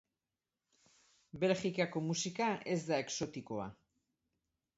Belgikako musika ez da exotikoa.